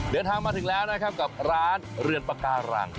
เดินทางมาถึงแล้วนะครับกับร้านเรือนปาการัง